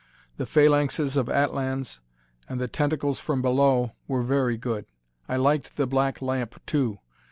"The Phalanxes of Atlans" and "The Tentacles from Below" were very good. I liked "The Black Lamp," too.